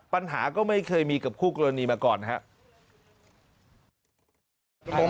ปัญหาก็ไม่เคยมีกับคู่กรณีมาก่อนครับ